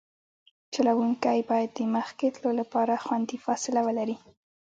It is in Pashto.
چلوونکی باید د مخکې تلو لپاره خوندي فاصله ولري